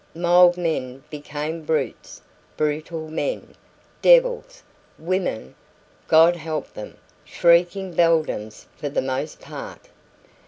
Mild men became brutes, brutal men, devils, women God help them! shrieking beldams for the most part.